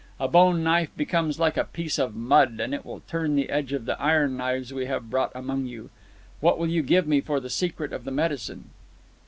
A bone knife becomes like a piece of mud; and it will turn the edge of the iron knives we have brought among you. What will you give me for the secret of the medicine?"